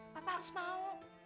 papa harus mau